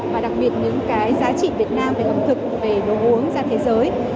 và đặc biệt những cái giá trị việt nam về ẩm thực về đồ uống ra thế giới